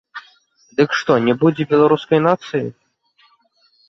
Дык што, не будзе беларускай нацыі?